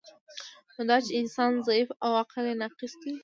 نو دا چی انسان ضعیف او عقل یی ناقص دی